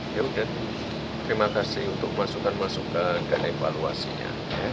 ya udah terima kasih untuk masukan masukan dan evaluasinya